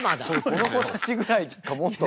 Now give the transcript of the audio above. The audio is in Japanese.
この子たちぐらいかもっと。